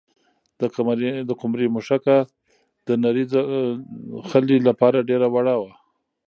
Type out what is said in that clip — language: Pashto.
د قمرۍ مښوکه د نري خلي لپاره ډېره وړه وه.